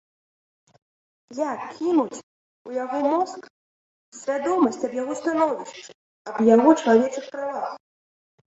Як кінуць у яго мозг свядомасць аб яго становішчы, аб яго чалавечых правах?